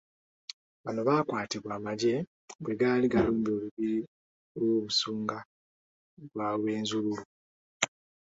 Bano baakwatibwa amagye bwe gaali galumbye olubiri lw'Obusunga bwa Rwenzururu.